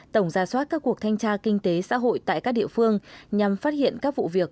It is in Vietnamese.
tổng ra soát các cuộc thanh tra kinh tế xã hội tại các địa phương nhằm phát hiện các vụ việc